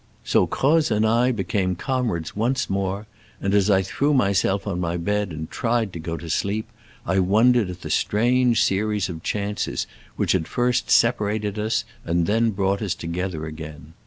So Croz and I became comrades once more, and as I threw myself on my bed and tried to go to sleep, I wondered at the strange series of chances which had first separated us and then brought us together again.